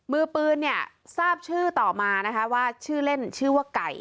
มือปืนทราบชื่อต่อมาว่าชื่อเล่นชื่อว่าไก่